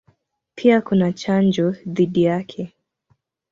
Pia kuna chanjo dhidi yake.